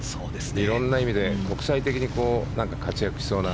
色んな意味で国際的に活躍しそうな。